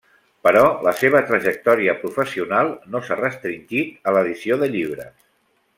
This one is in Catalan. Però la seva trajectòria professional no s'ha restringit a l'edició de llibres.